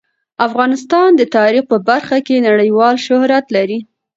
افغانستان د تاریخ په برخه کې نړیوال شهرت لري.